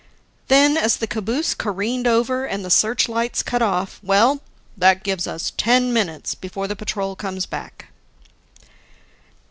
Then, as the caboose careened over and the searchlights cut off, "Well, that gives us ten minutes before the patrol comes back."